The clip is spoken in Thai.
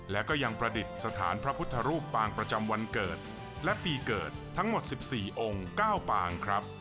และก็ยังประดิษฐานพระพุทธรูปปางประจำวันเกิดและปีเกิดทั้งหมด๑๔องค์๙ปางครับ